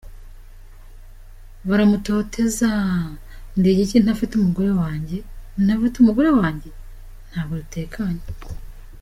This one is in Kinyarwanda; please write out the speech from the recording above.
Baramutoteza… Ndi igiki ntafite umugore wanjye , ntafite umugore wanjye? Ntabwo dutekanye.